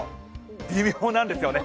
微妙なんですよね。